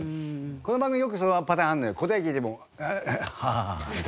この番組よくそのパターンあるのよ。